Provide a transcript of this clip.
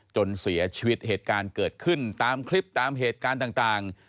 จนเสียชีวิตเหตุการณ์เกิดขึ้นตามคลิปตามเหตุการณ์ต่าง